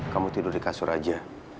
kamu tidur di kasur aja